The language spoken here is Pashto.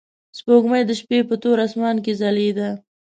سپوږمۍ د شپې په تور اسمان کې ځلېده.